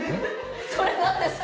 それ何ですか？